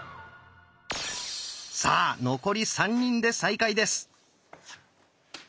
さあ残り３人で再開です。